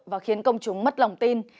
và khiến công chúng mất lòng tin